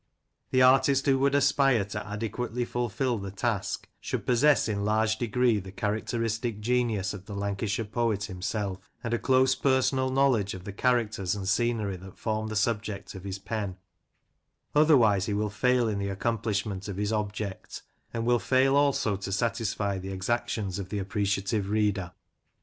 The artist who would aspire to adequately fulfil the task should possess in large degree the characteristic genius of the Lancashire poet himself, and a close personal knowledge of the characters and scenery that form the subject of his pen, otherwise he will fail in the accomplishment of his object ; and will fail also to satisfy the exactions of the appreciative reader.